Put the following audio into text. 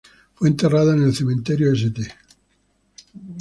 Fue enterrada en el cementerio St.